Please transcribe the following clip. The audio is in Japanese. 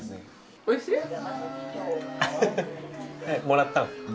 もらったの？